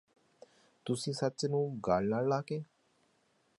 ਤੁਸੀਂ ਸੱਚ ਨੂੰ ਗਲ ਨਾਲ ਲਾ ਕੇ